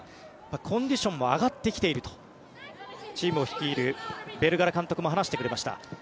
コンディションも上がってきているとチームを率いるベルガラ監督も話してくれました。